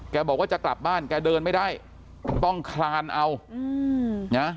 บอกว่าจะกลับบ้านแกเดินไม่ได้ต้องคลานเอาอืมนะ